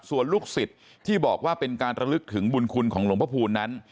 ส่วนลูกศิษย์ที่บอกว่าเป็นการระลึกถึงบุญคุณของหลวงพระภูมินั้น